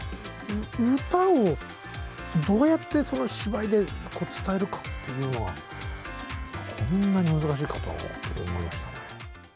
歌をどうやって、その芝居で伝えるかっていうのは、こんなに難しいかと思いましたね。